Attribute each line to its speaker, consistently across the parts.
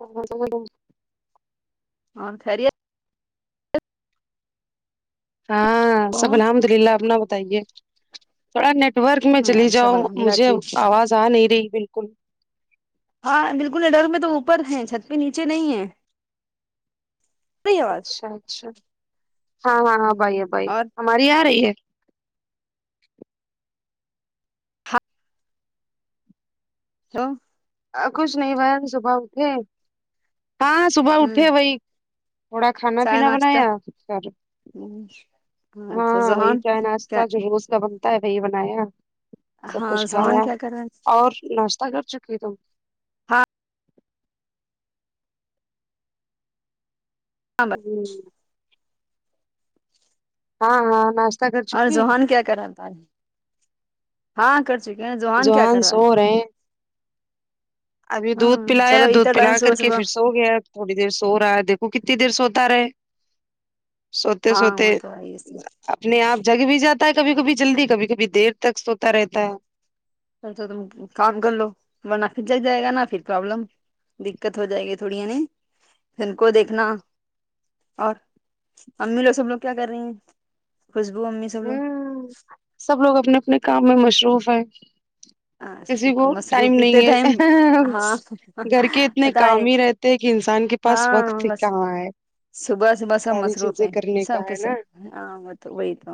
Speaker 1: [unintelligible] madam جی
Speaker 2: اور خیریت
Speaker 1: ہاں سب الحمد للہ اپنا بتائیے تھوڑا نیٹ ورک میں
Speaker 2: ہاں
Speaker 1: چلی جاؤ
Speaker 2: سب الحمد للہ
Speaker 1: مجھے
Speaker 2: ٹھیک
Speaker 1: آواز آ نہیں رہی بالکل
Speaker 2: ہاں بالکل ا ڈرک میں تو اوپر ہے چھت پہ نیچے نہیں ہے رہی آواز
Speaker 1: اچھا اچھا ہاں ہاں ہاں اب ای اب ای
Speaker 2: اور
Speaker 1: ہماری آرہی ہے
Speaker 2: [unintelligible]
Speaker 1: کچھ نہیں بہن صبح اٹھے ہاں صبح
Speaker 2: ہوں
Speaker 1: اٹھے وہی تھوڑا کھانا
Speaker 2: چائے
Speaker 1: پینا
Speaker 2: ناشتہ
Speaker 1: بنایا کر
Speaker 2: ہاں تو
Speaker 1: ہاں وہی
Speaker 2: ذہان
Speaker 1: چائ ناشتہ
Speaker 2: کیا
Speaker 1: جو روز کا بنتا ہے وہی بنایا سب
Speaker 2: ہاں
Speaker 1: کچھ کھایا
Speaker 2: ذہان کیا کر رہا ہے
Speaker 1: اور ناشتہ کر چکی تم
Speaker 2: ہاں
Speaker 1: جی ہاں ہاں ناش
Speaker 2: اور زوہان کیا کر رہا تھا ہے ہاں کر چکے ہیں زوہان کیا
Speaker 1: جوان
Speaker 2: کر رہا ہے
Speaker 1: سو رہے ہیں ابھی دودھ
Speaker 2: ہاں چلو
Speaker 1: پلایا دودھ
Speaker 2: اتنا ٹائم
Speaker 1: پلا
Speaker 2: صبح
Speaker 1: کر کے
Speaker 2: صبح
Speaker 1: پھر سو گیا تھوڑی دیر سو رہا ہے دیکھو کتنی دیر سوتا رہے سوتے
Speaker 2: ہاں
Speaker 1: سوتے
Speaker 2: وہ تو ہے پھر
Speaker 1: اپنے آپ جگ بھی جاتا ہے کبھی کبھی جلدی کبھی کبھی دیر تک سوتا رہتا ہے
Speaker 2: پلسو تم کام کر لو ورنہ پھر جل جائے گا نا پھر پرابلم دقت ہو جائے گی تھوڑی ہیں نہیں ان کو دیکھنا اور امی لوگ سب لوگ کیا کر رہی ہیں خوشبو امی سب
Speaker 1: ہ
Speaker 2: لوگ
Speaker 1: سب لوگ اپنے اپنے کام میں مصروف ہیں کسی کو
Speaker 2: ہاں مصروف
Speaker 1: ٹائم
Speaker 2: اتنے
Speaker 1: نہیں
Speaker 2: ٹائم
Speaker 1: ہے
Speaker 2: ہاں
Speaker 1: گھر کے اتنے
Speaker 2: پتا ہے
Speaker 1: کام ہی رہت تے کہ ایک انسان کے پاس
Speaker 2: ہاں
Speaker 1: وقت ہی
Speaker 2: بس
Speaker 1: کہاں ہے
Speaker 2: صبح صبح سب
Speaker 1: ساری
Speaker 2: مصروف
Speaker 1: چیزیں
Speaker 2: ہے
Speaker 1: کرنے
Speaker 2: سب
Speaker 1: کا ہے نا
Speaker 2: کےسب ہاں وہ تو وہی تو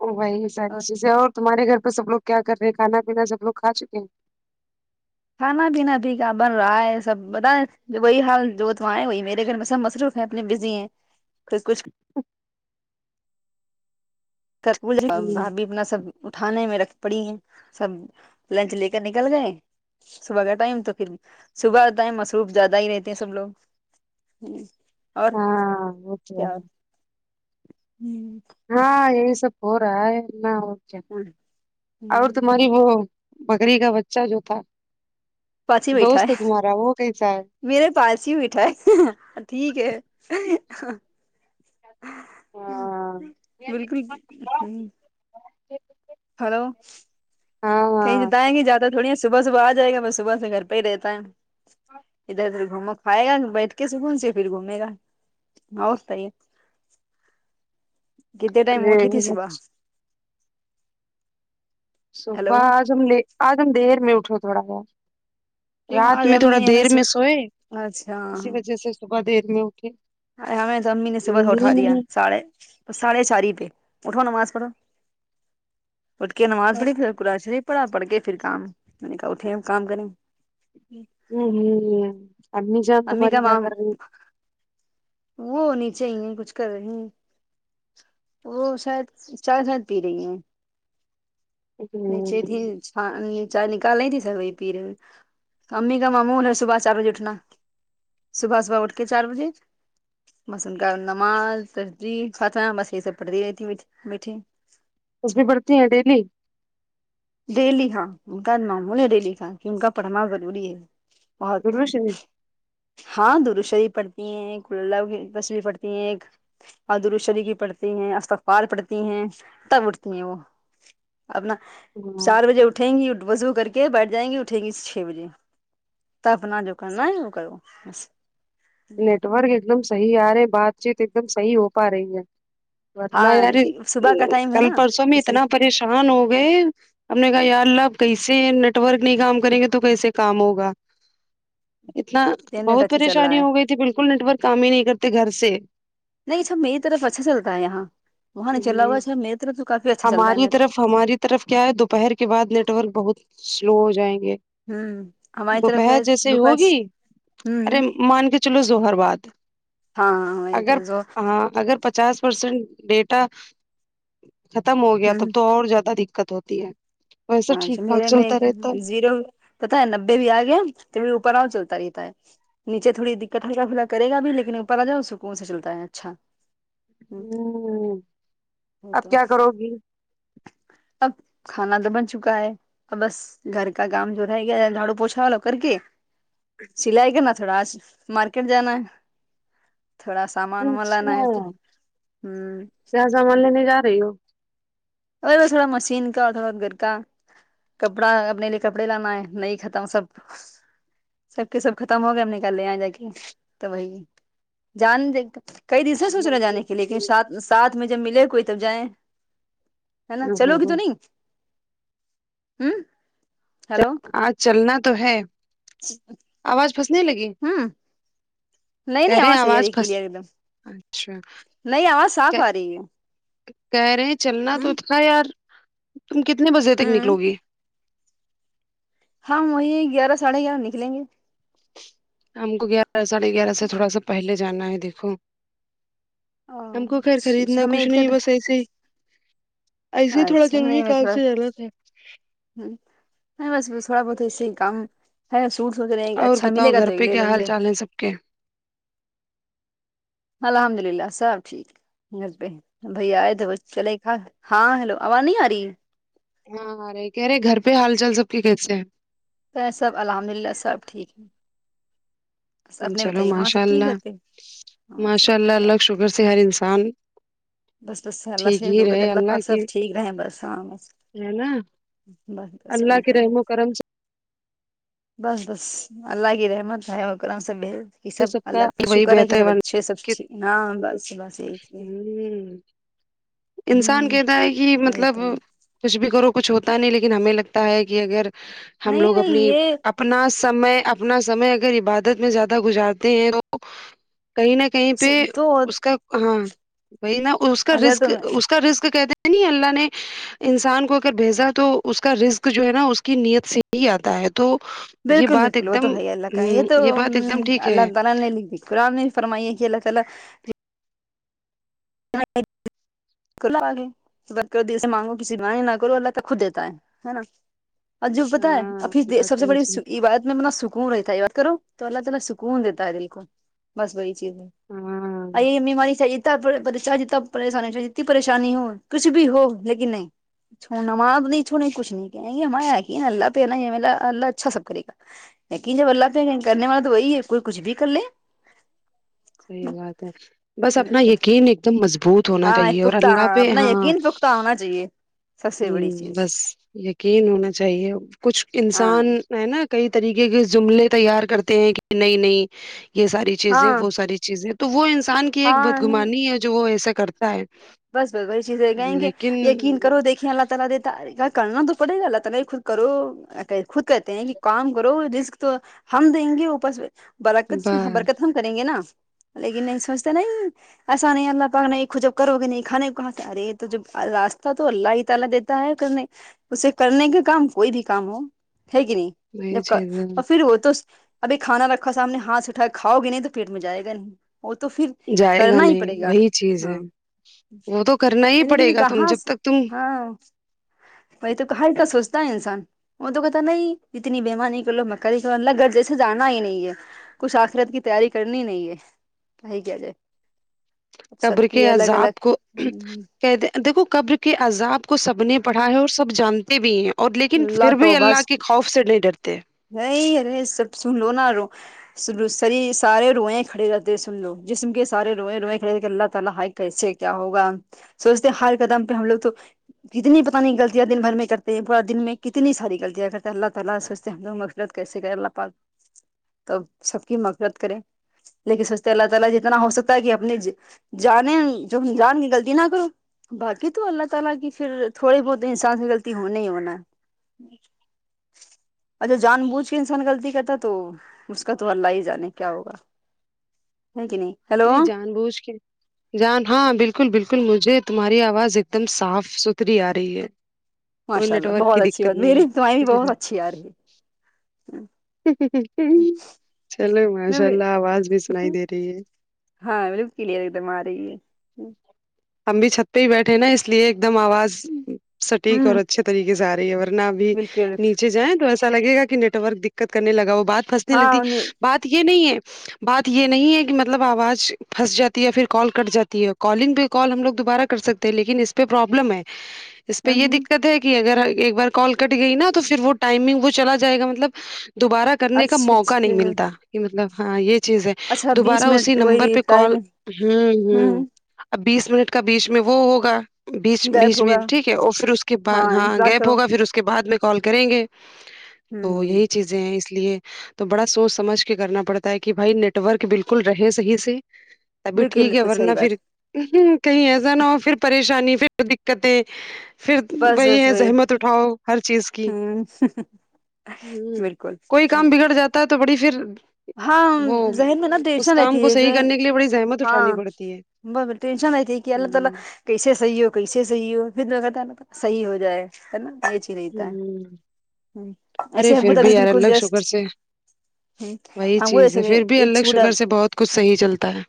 Speaker 1: او وہی ساری چیزیں اور تمہارے گھر پہ سب لوگ کیا کر رہے ہیں کانا پینا سب لوگ کھا چکے ہیں
Speaker 2: کھانا پینا بھی کیا بن رہا ہے سب بتیں جو وہی حال جو تو آئے وہی میرے گھر میں سب مسروف اپنے بزی ہیں پھر کچھ
Speaker 1: ہیں
Speaker 2: [unintelligible]
Speaker 1: ہمم
Speaker 2: بھابھی اپنا سب اٹھانے میں رکھ پڑی ہیں سب لنچ لے کر نکل گئے صبح کا ٹائم تو پھر صبح ٹائم مصروف زیادہ ہی رہتے ہیں سب لوگ ہ اور
Speaker 1: ہاں وہ تو
Speaker 2: کیا
Speaker 1: ہے
Speaker 2: ہ
Speaker 1: ہاں یہی سب ہو رہا ہے نا اور کیا اور تمہاری وہ بکری کا بچہ جو تھا
Speaker 2: پچی بیٹٹھا ہے
Speaker 1: دوست تمہارا وہ کیسا ہے
Speaker 2: میرے پاس ہی بیٹھا ہے ٹھیک ہے
Speaker 1: ہاں
Speaker 2: بالکل صحیح ہیلو
Speaker 1: ہاں
Speaker 2: کہیں
Speaker 1: ہاں
Speaker 2: جتائیں گ جاتا تھوڑی ہے صبح صبح آ جائے گا میں صبح سے گھر پہ ہی رہتا ہے ادھر ادھر گھومو کھائے گا بیٹھ کے سکون سے پھر گھومے گا اور صحیح ہے کتنے ٹائم
Speaker 1: ارے
Speaker 2: اٹھی تھی صبح ہلو
Speaker 1: صبح آج ہم لے آج ہم دیر میں اٹھو تھوڑا گار
Speaker 2: کیوں
Speaker 1: رات
Speaker 2: آج
Speaker 1: میں
Speaker 2: امی
Speaker 1: تھوڑا
Speaker 2: نے ہمیں
Speaker 1: دیر میں سوئے
Speaker 2: اچھا
Speaker 1: اسی وجہ سے صبح دیر میں اٹھے
Speaker 2: ارے ہمیں امی نے صبح سے
Speaker 1: نیند
Speaker 2: اٹھا
Speaker 1: ہی
Speaker 2: دیا
Speaker 1: نہیں
Speaker 2: ساڑے ساڑھے چار ہی پہ اٹھوا نماز پڑھو اٹھ کے نماز
Speaker 1: ہوں
Speaker 2: پڑھی پھر قرآن شریف پڑھا پڑھ کے پھر کام میں نے کہا اٹھے کام کریں
Speaker 1: ھم ھم امی جان
Speaker 2: امی
Speaker 1: تمہاری
Speaker 2: کا
Speaker 1: کیا
Speaker 2: کام
Speaker 1: کررہی
Speaker 2: وہ نیچے ہی ہے کچھ کر رہے وہ شاید چائی شاید پی رہی ہیں نیچے ہی تھی ہ چائے نکال رہ تھی سب وہ پی رہ امی کا مامول صبح چار بجے اٹھنا صبح صبح اٹھ کے چار بجے بس ان کا نماز تسبیح خاتہ بس یہ سب پڑتی رہتی بیٹھے بیٹھے
Speaker 1: تسبیح بڑھتی ہیں ڈیلی
Speaker 2: ڈیلی ہاں ان کا معمول ہے ڈیلی کا کہ ان کا پڑھنا ضروری ہے بہت
Speaker 1: درود شریف
Speaker 2: ہاں درود شریف پڑھتی ہے کھلا تسبیح پڑھتی ہے ایک اور درود شریف پڑھتی ہیں استغفار پڑھتی ہیں تب اٹھتی ہے وہ اپنا
Speaker 1: ہاں
Speaker 2: چار بجے اٹھیں گی وضو کر کے بیٹھ جائیں گی اٹھیں گی چھ بجے تو اپنا جو کرنا ہے وہ کر بس
Speaker 1: نیٹورک ایک دم صحیح آ رہے بات چیت ایک دم صحیح ہو پا رہی ہے ورنہ
Speaker 2: ہاں
Speaker 1: یار
Speaker 2: صبح کا ٹائم ہے
Speaker 1: کل
Speaker 2: نا
Speaker 1: پرسوں میں
Speaker 2: اس لیے
Speaker 1: اتنا پریشان ہو گئے ہم نے کہا یا اللہ اب کیسے نیٹ ورک نہیں کام کریں گے تو کیسے کام ہوگا اتنا
Speaker 2: انٹرنیٹ
Speaker 1: بہت
Speaker 2: اچھا چل رہا
Speaker 1: پریشانی
Speaker 2: ہے
Speaker 1: ہو گئی تھی بالکل نیٹورک کام ہی نہیں کرتے گھر سے
Speaker 2: نہیں سب میری طرف اچھا چلتا ہے یہاں وہاں نہیں چلارہ ہوگا میری طرف تو کافی اچھا چلتا ہے
Speaker 1: ہماری
Speaker 2: نیٹ
Speaker 1: طرف ہماری طرف کیا ہے دوپہر کے بعد نیٹ ورک بہت سلو ہو جائیں گے
Speaker 2: ہوں ہماری طرف
Speaker 1: دوپہر
Speaker 2: ہے
Speaker 1: جیسے ہی
Speaker 2: دوپہر
Speaker 1: ہوگی ارے
Speaker 2: ہوں
Speaker 1: مان کے ظہر بعد
Speaker 2: ہاں ہاں وہی
Speaker 1: اگر
Speaker 2: تو ز
Speaker 1: ہاں اگر پچاس پرسینٹ ڈیٹا ختم ہو گیا
Speaker 2: ہوں
Speaker 1: تب تو اور زیادہ دقت ہوتی ہے ویسے
Speaker 2: ہاں
Speaker 1: ٹھیک
Speaker 2: [unintelligible]
Speaker 1: ٹھاک
Speaker 2: میرے میں
Speaker 1: چلتا رہتا ہے
Speaker 2: زیرو تو تھا نببے بھی آ گیا تو اوپر آؤں چلتا رہتا ہے نیچے تھوڑ دقت ہلکاھلا کرے گا بھی لیکن اپر آجائے تو پھر سکون سے چلتا ہے اچھا
Speaker 1: ہوں اب کیا کرو گی
Speaker 2: [unintelligible] اب کھانا تو بن چکا ہے بس گھر کا کام جو رہ گیا جھاڑو پوچا وہ کر کے سلائی کرنا تھوڑا آج مارکیٹ جانا ہے تھوڑا سامان ومان لانا
Speaker 1: اچھا
Speaker 2: ہے تو ھم
Speaker 1: کیا سامان لینے جارہی ہو
Speaker 2: اور تھوڑا مشین کا اور تھوڑا گھر کا کپڑا اپنے لیے کپڑے لانا ہے نہیں ختم سب سب کے سب ختم ہو گئے ہم نکال لے آ جا کے تو وہی جان د کئی دن سے سوچ
Speaker 1: ہ
Speaker 2: رہے ہے جانے کے لی لیکن سات ساتھ میں جب ملے کوئی تب جائیں ہے نا
Speaker 1: ہ
Speaker 2: چلوگی تو
Speaker 1: ہ
Speaker 2: نہیں ہمم ہیلو
Speaker 1: آج چلنا تو ہے آواز پھنسنے لگی
Speaker 2: ہوں نہیں
Speaker 1: کہے
Speaker 2: نہیں
Speaker 1: رہے
Speaker 2: صحیح آ رہی
Speaker 1: آواز
Speaker 2: ہے
Speaker 1: پھس
Speaker 2: کلیئر ایک دم
Speaker 1: اچھا
Speaker 2: نہیں آواز صاف آ رہی ہے
Speaker 1: کہہ رہے ہیں چلنا
Speaker 2: ہ
Speaker 1: تو تھا یار تم کتنے بجے تک
Speaker 2: ہوں
Speaker 1: نکلو گی
Speaker 2: ہم وہی گیارہ ساڑھے گیارہ نکلیں گے
Speaker 1: ہم کو گیارہ ساڑھے گیارہ سے تھوڑا سا پہلے جانا ہے دیکھو ہم کو گھر
Speaker 2: اچھا
Speaker 1: خریدنا
Speaker 2: اچھا ہمیں
Speaker 1: کچھ
Speaker 2: اتنے
Speaker 1: نہیں بس ایسے ہی ایسے ہی تھوڑا
Speaker 2: اچھا
Speaker 1: ضروری
Speaker 2: نہیں میں
Speaker 1: کام
Speaker 2: تھوڑا
Speaker 1: سے جانا تھا
Speaker 2: ہ نہیں بس تھوڑا بہتسی کام ہے سوٹ سوچ رہے ہیں کہ اچھا ملے گا تو یہ لے لیں گے
Speaker 1: اوکے
Speaker 2: الحمد للہ سب ٹھیک گھر پہ بھیا آئے تو چلے کہا ہاں ہیلو آواز نہیں آ رہی ہے
Speaker 1: ہاں ہ رہے کہہ رہے گھر پہ حال چال سب کے کیسے ہیں
Speaker 2: تو سب الحمد للہ سب ٹھیک ہے بس اپنے
Speaker 1: چلو
Speaker 2: بتائیے وہاں
Speaker 1: ماشاء
Speaker 2: سب ٹھیک
Speaker 1: اللہ
Speaker 2: گھر پہ
Speaker 1: ماشاء اللہ اللہ شگر سے ہر انسان
Speaker 2: بس بس سے اللہ سے
Speaker 1: ٹھیک
Speaker 2: یہ
Speaker 1: ہی
Speaker 2: [unintelligible] ہے
Speaker 1: رہے
Speaker 2: اللہ پاک
Speaker 1: کی
Speaker 2: سب ٹھیک رہے ہیں بس ہاں بس
Speaker 1: ہے نہ
Speaker 2: بس بس وہی
Speaker 1: کے
Speaker 2: تو
Speaker 1: رحم و کرم سے
Speaker 2: بس بس اللہ کی رحمت ہے وہ کرم سب ہے یہ سب اللہ کا
Speaker 1: وہی
Speaker 2: شکر ہے کہ
Speaker 1: بہتر
Speaker 2: سب
Speaker 1: بن
Speaker 2: اچھے سب ہاں بس بس یہی چاہیے
Speaker 1: انسان کہتا ہے کہ مطلب
Speaker 2: تو
Speaker 1: کچھ بھی کرو کچھ ہوتا نہیں لیکن ہمیں لگتا ہے کہ اگر ہم
Speaker 2: نہیں
Speaker 1: لوگ
Speaker 2: نہیں
Speaker 1: اپنی
Speaker 2: یہ
Speaker 1: اپنا سمے اپنا سمے اگر عبادت میں زیادہ گزارتے ہیں تو کہیں نہ کہیں پہ
Speaker 2: تو
Speaker 1: اس کا ہاں وہی نا اس کا
Speaker 2: اظہر تو
Speaker 1: رزق اس کا رزق کہتے نہیں اللہ نے انسان کو اگر بھیجا تو اس کا رزق جو ہے نا اس کی نیت سے ہی آتا ہے تو یہ
Speaker 2: بالکل
Speaker 1: بات
Speaker 2: بالکل
Speaker 1: ایک
Speaker 2: وہ تو
Speaker 1: دم
Speaker 2: بھائی اللہ کا یہ
Speaker 1: ہ
Speaker 2: تو
Speaker 1: بات ایک دم ٹھیک ہے
Speaker 2: اللہ تعالی نے قران میں ہی فرمائی کے اللہ تعالی [unintelligible] [unintelligible] نہ کرو اللہ کا خود دیتا ہے نا اج پتا ہے
Speaker 1: ہاں
Speaker 2: ابھی سب
Speaker 1: بس
Speaker 2: سے
Speaker 1: وہی چیز
Speaker 2: بڑی عبادت میں سکون رہتا ہے عبادت کرو تو اللہ تعالی سکون دیتا ہے دل کو بس وہی چیز
Speaker 1: ہاں
Speaker 2: ہے امی ہماری [unintelligible] چاہے جتنا پریشانی ہو چاہے جتنی پریشانی ہو کچھ بھی ہو لیکن نہیں چھوڑنماز نہیں چھوڑ نہیں کچھ نہیں کہ یہ ہم ن اللہ پہ ہے نالہ اللہ اچھا سب کرے گا یقین جب اللہ پہ کرنے والا تو وہی ہے کوئی کچھ بھی کر لے
Speaker 1: صحیح بات ہے بس اپنا یقین ایک دم مضبوط ہونا
Speaker 2: ہاں
Speaker 1: چاہیے اور
Speaker 2: پختہ
Speaker 1: اللہ پہ
Speaker 2: اپنا
Speaker 1: ہاں
Speaker 2: یقین پختہ ہونا چاہیے سب سے بڑی
Speaker 1: ہوں
Speaker 2: چیز
Speaker 1: بس یقین ہونا چاہیے کچھ
Speaker 2: ہاں
Speaker 1: انسان ہے نا کئی طریقے کے جملے تیار کرتے ہیں کہ نہیں نہیں یہ ساری چیزیں
Speaker 2: ہاں
Speaker 1: وہ ساری چیز ہے تو وہ انسان کی ایک
Speaker 2: ہاں نہیں
Speaker 1: بدگمانی ہے جو وہ ایسا کرتا ہے
Speaker 2: بس بس وہی چیزیں گائیں گے
Speaker 1: لیکن
Speaker 2: یقین کرو دیکھیں اللہ تعالی دیتا کرنا تو پڑے اللہ تعالی نہیں خود کرو خود کہتے ہیں کہ کام کرو رزق تو ہم دیں گے اوپر سے برکت
Speaker 1: بس
Speaker 2: برکت ہم کریں گے نا لیکن نہیں سوچتے نہیں ایسا نہیں اللہ پاک نہیں کج کروگے نہیں کھانے کو کہاں سے ارے تو جب راستہ تو اللہ ہی تعالی دیتا ہے کرنے اسے کرنے کا کام کوئی بھی کام ہو ہے کہ نہیں
Speaker 1: وہی
Speaker 2: جب
Speaker 1: چیز ہے
Speaker 2: اور پھر وہ تو ابھی کھانا رکھا سامنے ہاتھ اٹھا کے کھاؤ گے نہیں تو پیٹ میں جائے گا نہیں وہ تو پھر
Speaker 1: جائے گا
Speaker 2: کرنا ہی
Speaker 1: نہیں
Speaker 2: پڑے گا
Speaker 1: وہی چیز
Speaker 2: ہاں
Speaker 1: ہے وہ تو کرنا ہی
Speaker 2: لیکن
Speaker 1: پڑے
Speaker 2: کہ
Speaker 1: گا تم
Speaker 2: کہاں
Speaker 1: جب
Speaker 2: سے
Speaker 1: تک تم
Speaker 2: ہاں وہی تو ہل کا سوچتا ہے انسان وہ تو پتا نہیں اتنی بیمانی کر لو مکا ری کرو مطلب الله کے گھر جیسے جانا ہی نہیں ہے کچھ آخرت کی تیاری کرنی نہیں ہے کیا ہی کیا جائے سب
Speaker 1: قبر کے
Speaker 2: کی الگ
Speaker 1: عزاب
Speaker 2: الگ
Speaker 1: کو
Speaker 2: اللہ
Speaker 1: کہتے دیکھو قبر کے عذاب کو سب نے پڑھا ہے اور سب جانتے بھی ہیں اور لیکن پھر بھی
Speaker 2: تو
Speaker 1: اللہ
Speaker 2: بس
Speaker 1: کے خوف سے نہیں ڈرتے
Speaker 2: نہیں ارے سب سن لو نا رو سنو سری سارے روئیں کھڑے رہتے سن لو جسم کے سارے روئیں روئیں کھڑے رہتے ہیں اللہ تعالی کیسے کیا ہوگا سوچتے ہیں ہر قدم پہ ہم لوگ تو کتنی پتا نہیں غلطیاں دن بھر میں کرتے پورا دن میں کتنی ساری غلطیاں کرتا ہے اللہ تعالی سوچتے ہم لوگ مقفرت کیسے کرے اللہ پاک تو سب کی مقفرت کرے لیکن سوچتے اللہ تعالی جتنا ہو سکتا ہے کہ اپنی جان ان جانے میں غلطی نہ کرو باقی تو اللہ تعالی کی پھر تھوڑی بہت انسان سے غلطی ہونا ہی ہونا ہے اچھا جان بوجھ کے انسان غلطی کرتا تو اس کا تو اللہ ہی جانے کیا ہوگا ہے کے نہیں ہیلو
Speaker 1: نہیں جان بوجھ کے جان ہاں بالکل بالکل مجھے تمہاری آواز ایک دم صاف ستھری آ رہی ہے کوئی
Speaker 2: ماشاء
Speaker 1: نیٹ
Speaker 2: اللہ
Speaker 1: ورک
Speaker 2: بہت
Speaker 1: کی
Speaker 2: اچھی
Speaker 1: دقت
Speaker 2: بات
Speaker 1: نہیں
Speaker 2: میری
Speaker 1: ہے
Speaker 2: تمہاری بہت اچھی آ رہی ہے
Speaker 1: چلو ماشاء اللہ آواز بھی سنائی دے رہی ہے
Speaker 2: ہاں بالکل کلئیر ایک دم آ رہی ہے
Speaker 1: ہم بھی چھت پہ ہی بیٹھے نا اس لیے ایک دم آواز سٹیک اور
Speaker 2: ہوں
Speaker 1: اچھے طریقے سے آ رہی ہے ور نہ ابھی
Speaker 2: بالکل
Speaker 1: نیچے جائیں تو ایسا لگے گا کہ نیٹ ورک دقت کرنے لگا وہ بات پھنسنے
Speaker 2: ہاں
Speaker 1: لگتی بات یہ نہیں ہے بات یہ نہیں ہے کہ مطلب آواز پھنس جاتی ہے پھر کال کٹ جاتی ہے کالنگ بھی کال ہم لوگ دوبارہ کر سکتے ہیں لیکن اس پہ پروابلم ہے اس پہ یہ دقت ہے کہ اگر ایک بار کال کٹ گئی نا تو پھر وہ ٹائمنگ وہ چلا جائے گا مطلب دوبارہ کرنے کا
Speaker 2: اچھا
Speaker 1: موقع نہیں
Speaker 2: اچھا
Speaker 1: ملتا کہ مطلب ہاں یہ چیز ہے
Speaker 2: اچھا
Speaker 1: دوبارہ
Speaker 2: بیس
Speaker 1: اسی
Speaker 2: منٹ
Speaker 1: نمبر
Speaker 2: وہی
Speaker 1: پہ کال
Speaker 2: ٹائم
Speaker 1: ہوں ہوں اب بیس منٹ کا بیچ میں وہ ہوگا بیچ
Speaker 2: گیپ
Speaker 1: بیچ میں
Speaker 2: ہوگا
Speaker 1: ٹھیک ہے اور پھر اس کے بعد ہاں
Speaker 2: انتظار
Speaker 1: گیپ
Speaker 2: کرو ہوں
Speaker 1: ہوگا پھر اس کے بعد میں کال کریں گے تو
Speaker 2: ہوں
Speaker 1: یہی چیزیں ہیں اس لیے تو بڑا سوچ سمجھ کے کرنا پڑتا ہے کہ بھائی نیٹورک بالکل رہے صحیح سے ابھی
Speaker 2: بالکل
Speaker 1: ٹھیک ہے
Speaker 2: بالکل
Speaker 1: ورنہ
Speaker 2: صحیح بات
Speaker 1: پھر کہیں ایسا نہ ہو پھر پریشانی پھر دقتیں پھر
Speaker 2: بس
Speaker 1: وہی
Speaker 2: بس
Speaker 1: ہے زحمت اٹھاؤ ہر چیز کی
Speaker 2: ہوں
Speaker 1: ہوں
Speaker 2: بالکل
Speaker 1: کوئی کام بگڑ جاتا ہے تو بڑی پھر
Speaker 2: ہاں
Speaker 1: وہ
Speaker 2: ذہن میں نا
Speaker 1: اس
Speaker 2: ٹینشن
Speaker 1: کام
Speaker 2: رہتی
Speaker 1: کو
Speaker 2: ہے ایک
Speaker 1: صحیح کرنے کے لیے بڑی زحمت اٹھانی
Speaker 2: ہاں
Speaker 1: پڑتی ہے
Speaker 2: بابا ٹنشن رہتی کہ اللہ تعالی
Speaker 1: ہوں
Speaker 2: کیسے صحیح ہو کیسے صحیح ہو پھر اللہ تعالی کا صحیح ہو جائے ہے نا
Speaker 1: ہوں ارے پھر بھی
Speaker 2: [unintelligible]
Speaker 1: یار
Speaker 2: باکل
Speaker 1: اللہ شکر
Speaker 2: جسٹ
Speaker 1: سے
Speaker 2: ہ
Speaker 1: وہی
Speaker 2: ہم خود
Speaker 1: چیز
Speaker 2: ایسے
Speaker 1: ہے
Speaker 2: میں
Speaker 1: پھر بھی
Speaker 2: ایک
Speaker 1: اللہ
Speaker 2: سوٹ اب
Speaker 1: شکر سے بہت کچھ صحیح چلتا ہے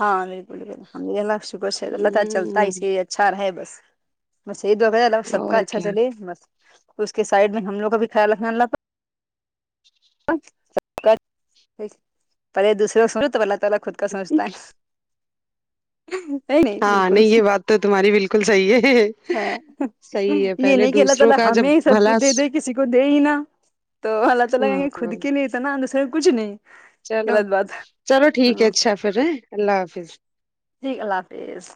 Speaker 2: ہاں بالکل ب اللہ شکر سے اللہ تعالی چلتا ہے
Speaker 1: ہ
Speaker 2: اسی اچھا رہے بس بس یہی دعا کریں اللہ سب کا
Speaker 1: اور
Speaker 2: اچھا
Speaker 1: کیا
Speaker 2: چلے بس اس کے سائڈ میں ہم لوگ کا بھی خیال رکھنا اللہ پاک [unintelligible] دوسرے کو سوچو تو اللہ تعالی خود کا سوچتا ہے نہیں نہیں
Speaker 1: ہاں
Speaker 2: بالکل صحیح
Speaker 1: یہ بات تو تمہاری بالکل صحیح ہے
Speaker 2: ہاں
Speaker 1: صحیح ہے
Speaker 2: یہ
Speaker 1: پہلے
Speaker 2: نہیں کہ اللہ
Speaker 1: دوسروں
Speaker 2: تعالی
Speaker 1: کا جب
Speaker 2: ہمیں ہی سب کو
Speaker 1: بھلا
Speaker 2: دے دے کسی کو دے ہی نا تو اللہ تعالی
Speaker 1: ہاں
Speaker 2: کہیں گے خود کے لیے اتنا دوسرے کچھ نہیں
Speaker 1: چلو
Speaker 2: غلط بات
Speaker 1: چلو ٹھیک ہے
Speaker 2: ہاں
Speaker 1: اچھا پھر ہے اللہ حافظ
Speaker 2: جی اللہ حافظ